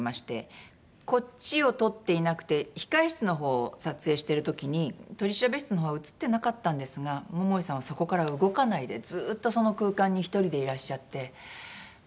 こっちを撮っていなくて控え室の方を撮影してる時に取調室の方は映ってなかったんですが桃井さんはそこから動かないでずっとその空間に１人でいらっしゃって。